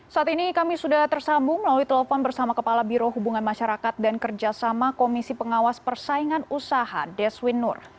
saat ini kami sudah tersambung melalui telepon bersama kepala biro hubungan masyarakat dan kerjasama komisi pengawas persaingan usaha deswin nur